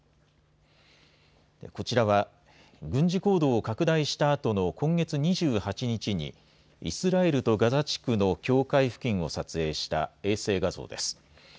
こちらは軍事行動を拡大したあとの今月２８日にイスラエルとガザ地区の境界付近を撮影した衛星画像です。